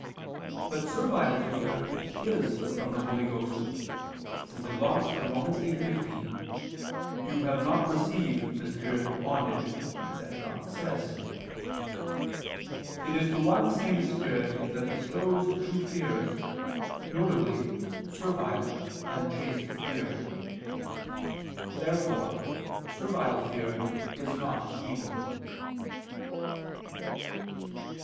But servile fear is from the Holy Ghost, since a gloss on Rom. 8:15, "You have not received the spirit of bondage," etc. says: "It is the one same spirit that bestows two fears, viz. servile and chaste fear." Therefore servile fear is not evil.